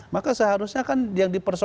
maka seharusnya kan yang dipersoalkan